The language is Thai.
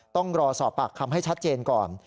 ต้องรอสอบปากคำให้ชัดเจนก่อน